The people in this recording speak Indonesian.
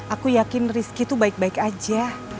aku yakin rizky itu baik baik aja